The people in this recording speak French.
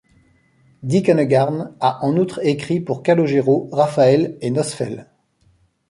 Dick Annegarn a en outre écrit pour Calogero, Raphael et Nosfell.